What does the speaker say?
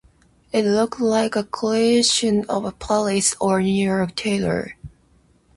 It looked like a creation of a Paris or New York tailor.